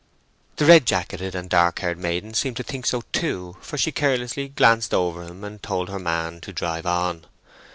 The red jacketed and dark haired maiden seemed to think so too, for she carelessly glanced over him, and told her man to drive on.